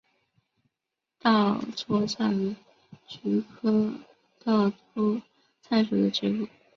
稻槎菜为菊科稻搓菜属的植物。